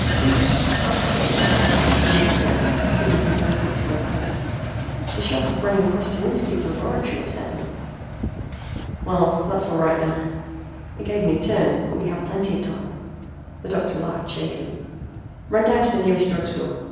"We I forgot it," admitted Jack, feeling his own face grow pale. "The shock of running across Solinski at the laboratory upset me." "Well, that's all right, then. It gave me a turn, but we have plenty of time." The doctor laughed shakily. "Run down to the nearest drug store.